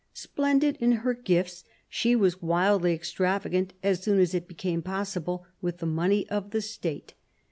Splendid in her gifts, she was wildly extravagant, as soon as it became possible, with the money of the State.